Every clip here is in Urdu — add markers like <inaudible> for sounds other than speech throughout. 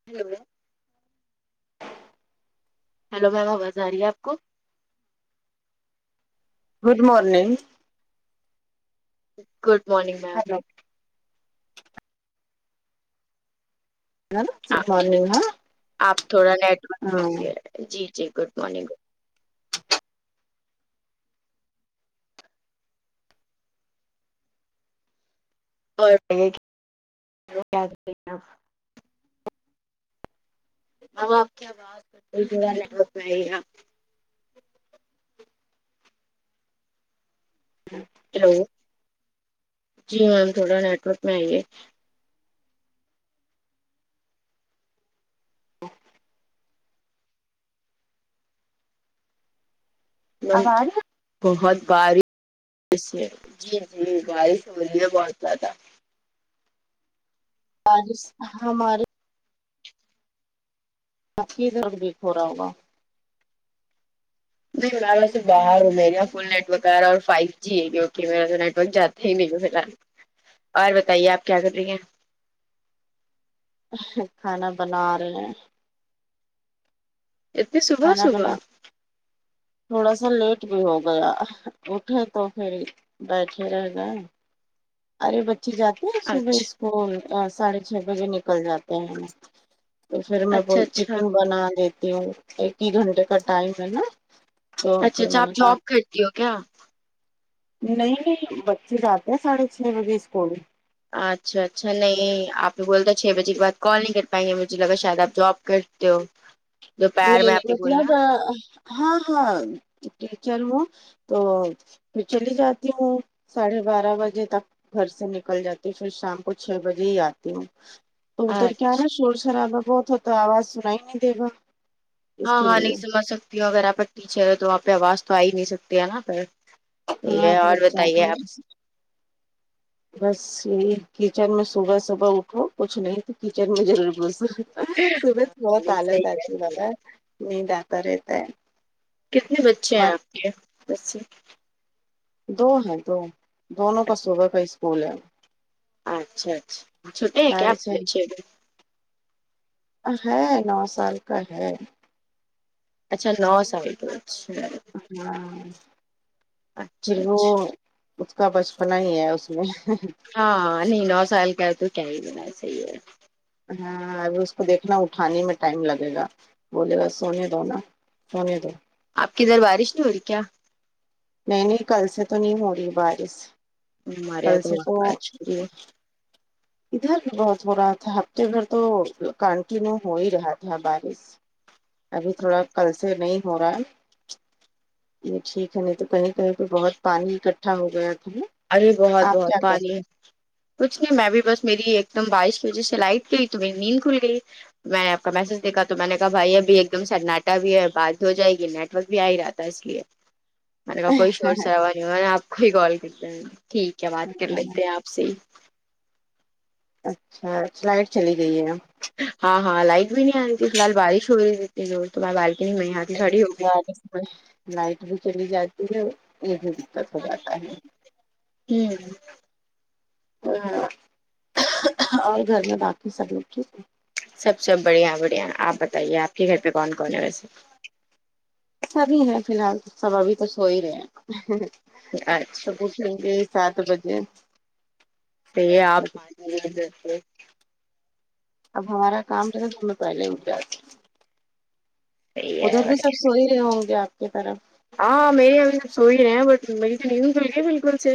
<unintelligible> ہیلو میم آواز آ رہی ہے آپ کو good morning good morning ma'am hello good morning ہاں آپ تھوڑا نیٹورک ہاں <unintelligible> جی جی گڈ مارنگ <unintelligible> میم آپکی آواز <unintelligible> نیٹ ورک نہیں آرہا جی میم تھوڑا نیٹورک میں آئیے اب نہیں آ رہی بہت بارش ہے جی جی بارش ہوری ہے بہت زیادہ بارش ہمارے آپکی طرف بھییک ہو رہا ہوگا نہیں میں سے باہر ہوں میرے یہاں فل نیٹ ورک آارا اور فائیو جی ہے کیونکہ میرا نیٹ ورک جاتا ہے میکو فلحال اور بتائیے آپ کیا کر رہی ہیں کھانا بنا رہے ہیں اتےصبح کھانا بنا صبح تھوڑا سا لیٹ بھی ہو گیا اٹھے تو پھر بیٹھے رہ گئے ارے بچے جاتے ہیں صبح اچھا اسکول ساڑھے چھ بجے نکل جاتے ہیں تو پھر میں اچھا بولتی اچھا ٹیفن بنا دیتی ہوں ایک ہی گھنٹے کا ٹائم ہے نا تو اچھا پھر اچھا میں آپ نے کہ جاب کرتی ہو کیا نہیں نہیں بچے جاتے ہیں ساڑھے چھ بجے اسکول اچھا اچھا نہیں آپ بولتا چھ بجے کے بعد کال نہیں کر پائیں گے مجھے لگا شاید آپ جاب کرتے ہو ہ نہیں نہیں مطلب ہاں ہاں ٹیچر ہوں تو میں چلی جاتی ہوں ساڑھے بارہ بجے تک گھر سے نکل جاتی پھر شام کو چھ بجے ہی آتی ہوں تو ہاں ادھر کیا ہے نا شور شرابا بہت ہوتا آواز سنا ہی نہیں دے گا اس ہاں کے ہاں لیے نہیں سمجھ سکتی ہوں اگر آپ ٹیچر ہے تو وہا پہ آواز تو آ ہی نہیں سکتی ہے نا پ ہاں یہ پھر اور جاتی بتائیے آپ ہوں بس یہی کچن میں صبح صبح اٹھو کچھ نہیں تو کچن میں ضرور بول سکے صبح تو بہت نہیں آلس صحیح کہہ اتی رہی پتا ہیں۔ ہے نیند اتا رہتا ہے کتنے بچے ہیں آپ من- کے بچے دو ہیں دو دونوں کا اچھا صبح کا اسکول ہے اچھا اچھا چھوٹے ہیں ساڑھے کیاآپکے چھ بچے ابھی ہے نو سال کا ہے اچھا نو سال کے اچھا ہاں پھر اچھا وہ اچھا اس کا بچپنا ہی ہے اس میں ہاں نہیں نو سال کا تو کیا ہی بڑا کیا ہی بات ہاں ابہی اس کو دیکھنا اٹھانے میں ٹائم لگے گا بولے گا سونے دونا سونے دو آپ کی ادھر بارش نہیں ہو رہی کیا نہیں نہیں کل سے تو نہیں ہو رہی بارش ہمارے یہاں کل سے تو بہت اچھی ہو رہی ہے ادھر بھی بہت ہو رہا تھا ہفتے بھر تو کانٹینیو ہو ہی رہا تھا بارش ابھی تھوڑا کل سے نہیں ہو رہا ہے یہ ٹھیک ہے نہیں تو کہیں کہیں پہ بہت پانی اکٹھا ہو گیا تھا نا ارے بہت آپ بہت کیا کر پانی کچھ نہیں میں بھی بس میری ایک دم بارش کی وجہ سے لائٹ گئی تو میری نیند کھل گئی میں نے آپ کا میسج دیکھا تو میں نے کہا بھائی ابھی ایک دم سناٹا بھی ہے بات بھی ہو جائے گی نیٹ ورک بھی آئی رہا اس لیے مینے کا رہے کوئی شور شرابا نہیں ہوا آپ کو ہی کال کر تے ٹھیک ہے بات کر لیتے ہیں آپ سے ہی اچھا لائٹ چلی گئی ہے ہاں ہاں لائٹ بھی نہیں آ رہی تھی فی الحال بارش ہو رہی تھی زور تو میں بالکنی میں ہے میں لائٹ بھی چلی جاتی ہے یہ بھی دقت ہو جاتا ہے ہوں ہاں اور گھر میں باقی سب لوگ ٹھیک ہے سب سب بڑھیا بڑھیا آپ بتائیے آپ گھر پہ کون کون ہے ویسے سب ہی ہے فی الحال تو سب ابھی تک سو ہی رہے ہیں اچھا سب اٹھے گے سات بجے پئے آپ پانی لے کے جگ سے اب ہمارا کام جو ہے تو میں پہلے ہی اٹھ جاتی ہوں صحیح ہے ادھر بھی سب سو سو ہی رہے ہوں گے آپ کی طرف ہاں میرے یہاں بھی سب سو ہی رہے ہیں بٹ میری تو نیند ہی کھل گئی بالکل سے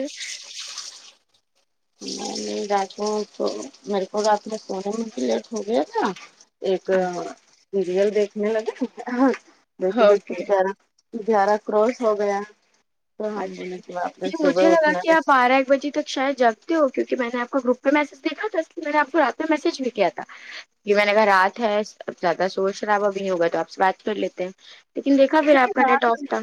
میں نہیں جاگتی ہوں تو میرے کو رات میں سونے میں بھی لیٹ ہو گیا تھا ایک سیریل دیکھنے لگے دیکھتے دیکھتے اوکے گیارہ گیارہ کروس ہو گیا تو ہم بولے اچھا کہ باپ رے یہ مجھے صبح لگا اٹھنا کہ ہے آپ بارہ ایک بجے تک شاید جاگتے ہو کیونکہ میں نے آپ کو گروپ پہ میسج دیکھا تھا اس لیے میں نے آپ کو رات میں میسج بھی کیا تھا کی میں نے کہا رات ہے اب زیادہ شور شرابہ بھی نہیں ہوگا تو آپ سے بات کر لیتے ہیں لیکن دیکھا پھر آپ کا نیٹ رات آف تھا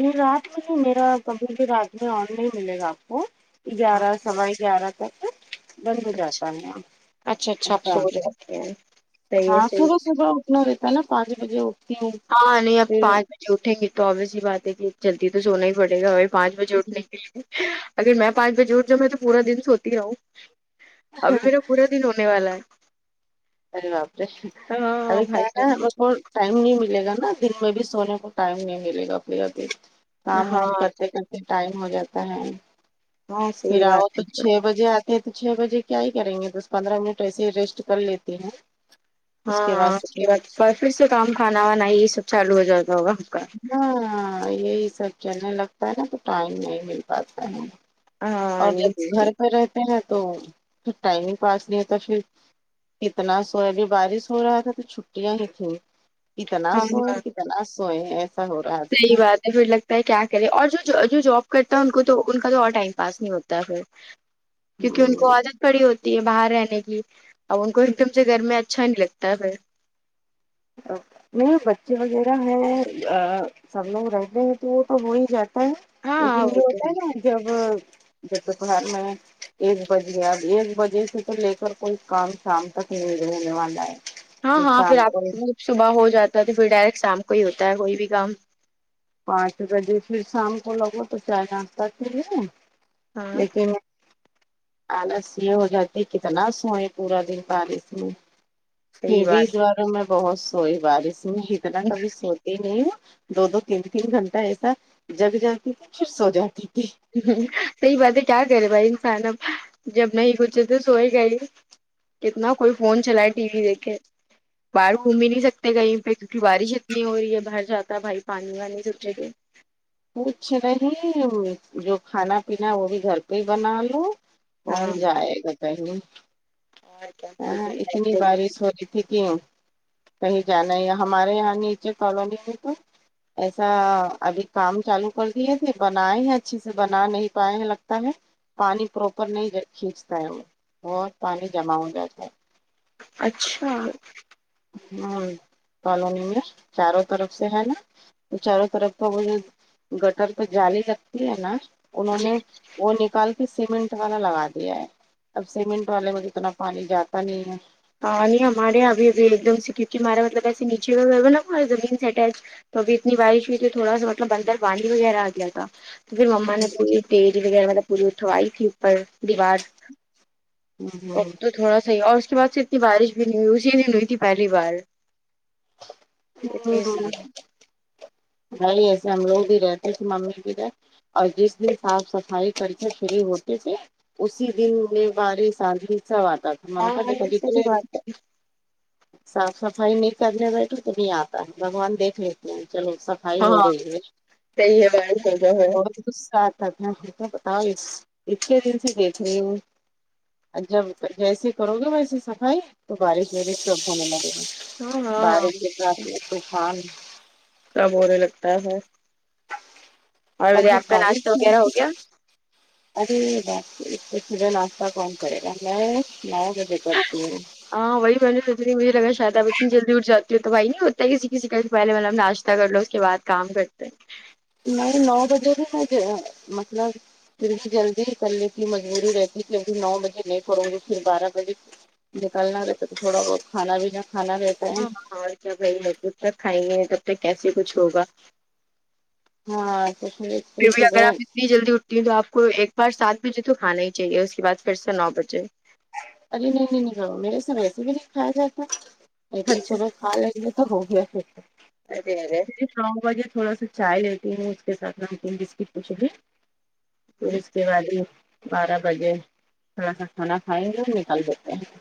نہیں رات میں نہیں میرا کبھی بھی رات میں آن نہیں ملے گا آپ کو ہاں گیارہ سوا گیارہ تک بند ہو جاتا اچھا ہے یہاں اچھا اچھا آپ ایسا سو جاتے ہیں صحیح ہے ہاں صحیح صبح ہے۔ صبح اٹھ ھنا رہتا ہے نہ پانچ بجے وہ ہاں نہیں اب پانچ بجے اٹھیں گے تو اوبیسلی بات ہے کہ جلدی تو سونا ہی پڑے گا وہی پانچ بجے اٹھنے کے لیے اگر میں پانچ بجے اٹھ جاوں میں تو پورا دن سوتی رہوں ابھی میرا پورا دن ہونے والا ہے ارے باپ رے ہاں ابھی کیا نام بھائی ہے ٹائم نہیں ملے گا نا دن میں بھی سونے کو ٹائم نہیں ملے گا اپنے یہاں بھی کام ہاں وام کرتے کرتے ٹائم ہو جاتا ہے ہاں پھر صحیح آؤ بات تو ہے چھ بجے آتے ہیں تو چھ بجے کیا ہی کریں گے دس پندرہ منٹ ایسے ہی ریسٹ کر لیتی ہوں ہاں ہاں اس کے بعد پھر سے کام کھانا وانا ہی یہ سب چالو ہو جاتا ہوگا آپ کا ہاااں یہی سب چلنے لگتا ہے نا تو ٹائم نہیں مل پاتا ہے ہاں اور نہیں جب گھر صحیح. پہ رہتے ہیں تو پھر ٹائم ہی پاس نہیں ہوتا پھر کتنا سوے ابھی بارش ہو رہا تھا تو چھٹیاں لی تھیں کتنا ہاں سوے ہاں کتنا سوے ہے صحیح بات پھر لگتا ہے کیا کرے اور جو جو جاب کرتا ہے ان کا تو ان کا تو اور ٹائم پاس نہیں ہوتا ہے پھر کیونکہ ان کو عادت پڑی ہوتی ہے باہر رہنے کی اب ان کو ایک دم سے گھر میں اچھا نہیں لگتا ہےھر میرے بچے وغیرہ ہیں آآ سب لوگ رہتے ہیں تو وہ تو ہو ہی جاتا ہے ہاں لیکن ہاں یہ وہ تو ہوتا ہے نا جب جب تو پڑھانے میں ایک بج گیا اب ایک بجے سے تو لے کر کوئی کام شام تک نہیں رہنے والا ہے ہاں ہاں پھر شام آپ کو صبح ہو جاتا ہے تو پھر ڈائریکٹ شام کو ہی ہوتا ہے کوئی بھی کام پانچ بجے پھر شام کو لگو تو چائے ناشتہ کے لے ہاں لیکن آلس یہ ہو جاتی ہے کتنا سوئے پورا دن بارش میں صحیح پھر بھی اس بات بار میں بہت سوئی بارش میں اتنا کبھی سوتی نہیں ہوں دو دو تین تین گھنٹہ ایسا جگ جگ کے پھر سو جاتی تھی صحیح بات ہے کیا کرے بھائی انسان اب جب نہیں کچھ ہے تو سوئے گا ہی کتنا کوئی فون چلائے ٹی وی دیکھے باہر گھوم بھی نہیں سکتے کہیں پہ کیونکہ بارش اتنی ہو رہی ہے باہر جاتا ہے بھائی پانی وانی سب جگے کچھ نہیں جو کھانا پینا وہ بھی گھر پہ ہی بنا لو ہاں کون جائے گا پہلے اور کیا کارے بھائی اتنی بارش ہو رہی تھی کے مم کہیں جانا ہے یہاں ہمارے یہاں نیچے کالونی میں تو ایسا ابھی کام چالو کر دیے تھے بنائے ہیں اچھے سے بنا نہیں پائے ہیں لگتا ہے پانی پراپر نہیں کھینچتا ہے وہ اور پانی جمع ہو جاتا ہے اچھا ہوں کالونی میں چاروں طرف سے ہے نا تو چاروں طرف تو وہ گٹر پہ جالی لگتی ہے نا انہوں جی نے وہ نکال کے سیمنٹ والا لگا دیا ہے اب سیمنٹ والے میں تو اتنا پانی جاتا نہیں ہے ہ نہیں ہمارےابھی ابھی ایک دم سے کیونکہ ہمارا مطلب ایسے نیچے کا گھر ہے نا ہم زمین سے اٹیچ تو ابھی اتنی بارش ہوئی تھی تھوڑا سا مطلب اندر پانی وغیرہ آ گیا تھا تو پھر مما نے پوری تیز وغیرہ مطلب پوری اٹوائی تھی اوپر دیوار ہے اب تو تھوڑا سای اور اس کے بعد سے اتنی بارش بھی نہیں ہوئی اسی دن ہوئی تھی پہلی بار اتنی زیادہ ہوں نہیںائی ایسے ہم لوگ بھی رہتے تھ ممی بھی رہ اور جس بھی صاف صفائی کر کے فری ہوتی تھی اسی دن میں بارہ سال بھی آتا تھا ہاں یہ صحیح بات ہے <unintelligible> صاف صفائی نہیں کردنے بیٹھے تو نہیں آتا ہے بگوان دیکھ لیتے ہیں چلو سب ہاں صحیح ہے میں سوچا ہے <unintelligible> غصہ آتا تھا بتاؤ اتھے دن سے دیکھ رہی ہوں جب جیسے کرو گے ویسی صفائی تو بارش وارش سب ہوھنے لگے گی ہاں ہاں بارش کے ساتھ میں طوفان کب ہونے لگتا ہے اور آپ جب کا ناشتہ بارش وغیرہ چلتی ہو گیا ارے باپ رے اتنی صبح ناشتہ کون کرے گا میں میں نو بجے کرتی ہوں ہاں وہی میں نے سوچ رہی مجھے لگا شاید اتنی جلدی اٹھ جاتی ہو تو بھائی نہیں ہوتا ہے کسی کسی کا سے پہلے والا ناشتہ اتنا کر لو اس کے بعد کام کرتے میں نو بجے سے <unintelligible> پھر بھی جلدی نکلنے کی مجبوری رہتی کیونکہ نو بجے نہیں کرو گی پھر بارہ بجے نکلنا رہتا تو تھوڑا بہت کھانا بینا کھانا رہ <unintelligible> تو کیسے کچھ ہوگا ہاں تو پھر بھی اگر صبح آپ اتنی جلدی اٹھتی ہوں تو آپ کو ایک بار سات بجے تو کھانا ہی چاہیے اس کے بعد پھر سے نو بجے ارے نہیں نہیں نہیں میرے سے ویسے بھی نہیں کھایا جاتا ای اچھا سب کھالے یہ تو ہو گیا پھر آرےآرے تو نو باجے تھوڑا سا چائے لیتی ہوں اس کے ساتھ لیتی ہوں بسکٹ کچھ بھی پھر اس کے بعد ہی بارہ بجے تھوڑا سا کھانا کھائیں گے نیکال دیتے ہیں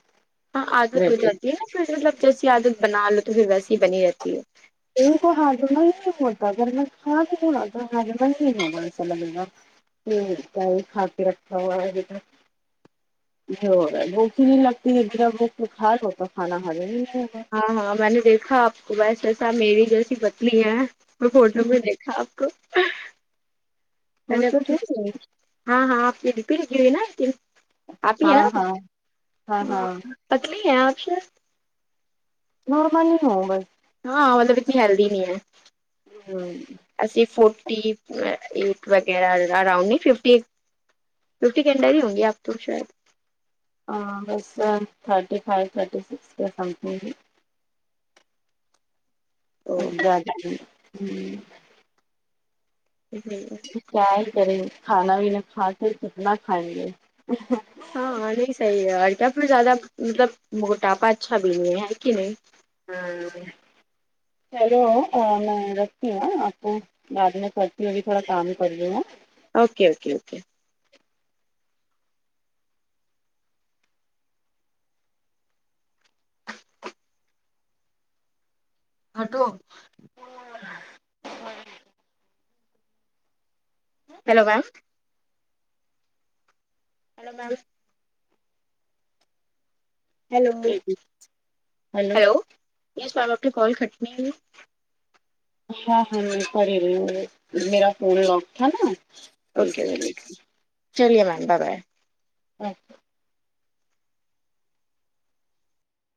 ہاں عادت ہو جاتی ہے نا پھر مطلب جیسی عادت بنا لو تو پھر ویسی ہی بنی رہتی ہے <inaudible> ہمم کیا ہی کھا کے رکھا ہوا ہے نیہں ہورہ ہیں بھوک نہیں لگتی ادھر بخار ہوتا کھانا کھا کر ہاں ہاں میں نے دیکھا آپ کو وس ایسا میری جیسی پتلی ہے وہ فوٹو میں دیکھا آپ کو وہ تو دیکھیے <unintelligible> آپ ہی ہیں ہاں نا ہاں ہاں ہاں پتلی ہے آپ سے نورملی ہی ہوں نورمل ہاں مطلب اتنی ہیلدی نہیں ہے <unintelligible> اسی فورٹی ایٹ وغیرہ اراؤنڈ نہیں ففٹی ایٹ فیفٹی کے اندر ہی ہوں گی آپ تو شاید بس thirty five thirty six something بھی تو <unintelligible> <unintelligible> کیا ہی کریں گے کھانا بھی نہ کھا کے سب نا کھائیں گے ہاں نہیں صحیح ہے اور کیا پھر زیادہ مطلب موٹاپا اچھا بھی نہیں ہے کہ نہیں ہمم چلو میں رکھتی ہوں آپ کو بعد میں کرتی ہوں ابھی تھوڑا کام کری ہوں اوکے اوکے اوکے ہٹو hello ma'am hello ma'am hello hello yes ma'am آپ نے کال کٹ نہیں کی ہاں ہاں میں کر ہی رہی ہوں میرا فون لاک تھا نا تو اس اوکے وجہ اوکے چلیے میم بائے بائے اچھا